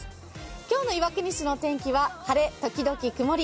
今日の岩国市の天気は晴れ時々曇り。